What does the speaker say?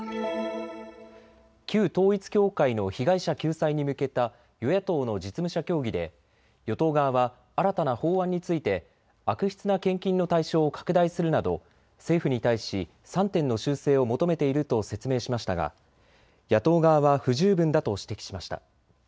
旧統一教会の被害者救済に向けた与野党の実務者協議で与党側は新たな法案について悪質な献金の対象を拡大するなど政府に対し３点の修正を求めていると説明しましたが野党側は不十分だと指摘しました。